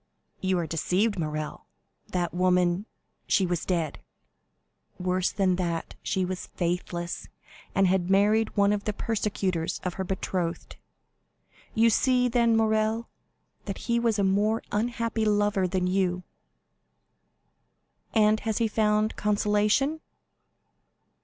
"You are deceived, Morrel, that woman——" "She was dead?" "Worse than that, she was faithless, and had married one of the persecutors of her betrothed. You see, then, Morrel, that he was a more unhappy lover than you." "And has he found consolation?"